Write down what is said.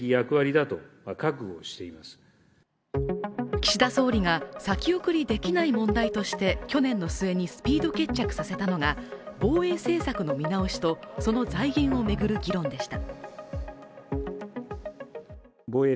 岸田総理が先送りできない問題として去年の末にスピード決着させたのが防衛政策の見直しとその財源を巡る議論でした。